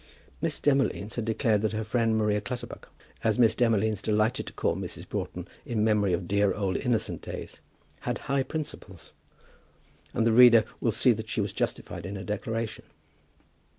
Miss Demolines had declared that her friend Maria Clutterbuck, as Miss Demolines delighted to call Mrs. Broughton, in memory of dear old innocent days, had high principles; and the reader will see that she was justified in her declaration.